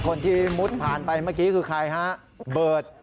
คนที่มุดผ่านไปเมื่อกี้คือใครครับ